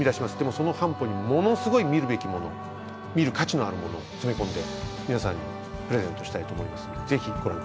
その半歩に見るべきもの見る価値があるものを詰め込んで皆さんにプレゼントしたいと思います。